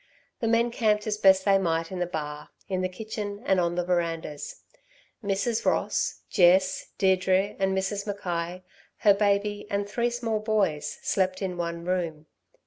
The men camped as best they might in the bar, in the kitchen, and on the verandahs. Mrs. Ross, Jess, Deirdre, and Mrs. Mackay, her baby, and three small boys, slept in one room.